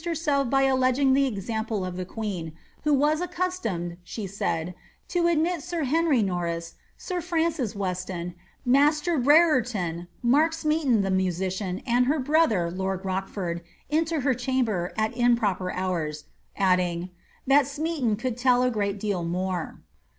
199 i:er8e]f by alleging the example of the qaeen, who was accustomed,'* she said, ^ to admit sir Henry Norris, sir Francis Weston, master Brer^ ton, Mark Smeaton the musician, and her brother lord Rochford, into her chamber, at improper hours,^ adding ^ that Smeaton could tell a great deal more."